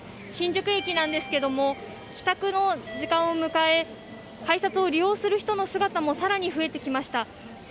新宿駅なんですけれども帰宅の時間を迎え、改札を利用する人の姿も更に増えてきました。